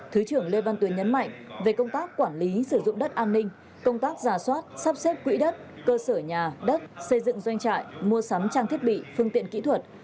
thứ trưởng lê văn tuyến nhấn mạnh về công tác quản lý sử dụng đất an ninh công tác giả soát sắp xếp quỹ đất cơ sở nhà đất xây dựng doanh trại mua sắm trang thiết bị phương tiện kỹ thuật